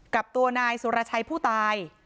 กับตัวนายสุรชัยผู้ตาย